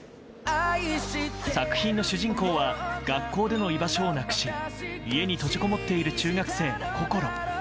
作品の主人公は学校での居場所をなくし家に閉じこもっている中学生こころ。